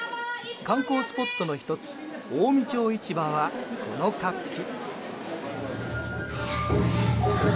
観光スポットの１つ近江町市場はこの活気。